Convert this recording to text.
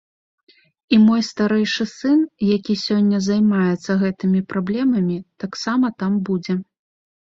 І мой старэйшы сын, які сёння займаецца гэтымі праблемамі, таксама там будзе.